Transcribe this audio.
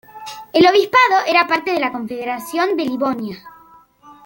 El Obispado era parte de la Confederación de Livonia.